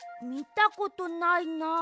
みたことないな。